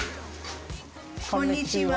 こんにちは。